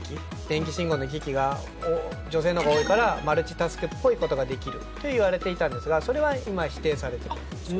電気信号の行き来が女性のほうが多いからマルチタスクっぽいことができるといわれていたんですがあっ、そうなんですね。